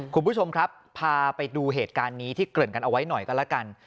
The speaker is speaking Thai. คุณผู้ชมครับพาไปดูเหตุการณ์นี้ที่เกริ่นกันเอาไว้หน่อยก็แล้วกัน